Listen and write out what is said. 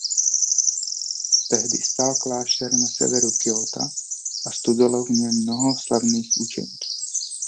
Tehdy stál klášter na severu Kjóta a studovalo v něm mnoho slavných učenců.